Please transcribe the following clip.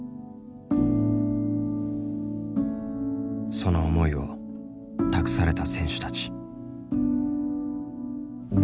その思いを託された選手たち。